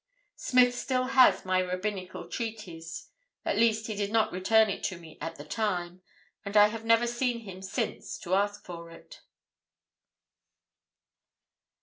"Smith still has my Rabbinical Treatise. At least he did not return it to me at the time, and I have never seen him since to ask for it."